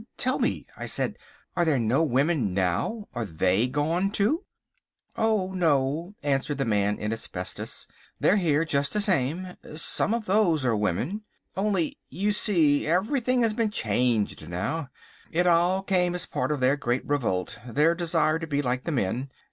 "Tell me," I said, "are there no women now? Are they gone too?" "Oh, no," answered the Man in Asbestos, "they're here just the same. Some of those are women. Only, you see, everything has been changed now. It all came as part of their great revolt, their desire to be like the men.